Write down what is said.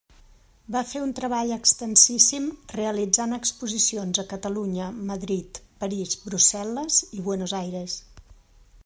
Va fer un treball extensíssim, realitzant exposicions a Catalunya, Madrid, París, Brussel·les i Buenos Aires.